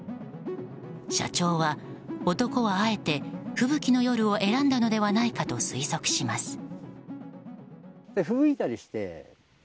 社長は、男はあえて吹雪の夜を選んだのではないかと推測します。